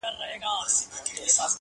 ما ستا په شربتي سونډو خمار مات کړی دی.